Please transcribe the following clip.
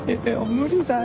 無理だよ。